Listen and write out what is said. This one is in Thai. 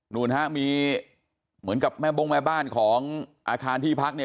นู่นฮะมีเหมือนกับแม่บ้งแม่บ้านของอาคารที่พักเนี่ย